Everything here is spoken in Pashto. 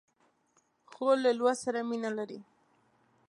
خور له لوست سره مینه لري.